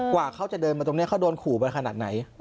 กว่าเขาจะเดินมาตรงนี้เขาโดนขู่ไปขนาดไหน